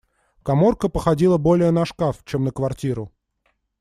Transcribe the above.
Каморка походила более на шкаф, чем на квартиру.